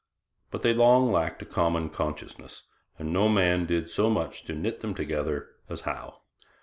But they long lacked a common consciousness, and no man did so much to knit them together as Howe.